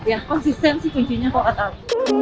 ya konsisten sih kuncinya kok